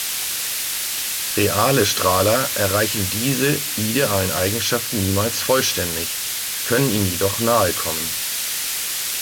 Reale Strahler erreichen diese idealen Eigenschaften niemals vollständig, können ihnen jedoch nahekommen.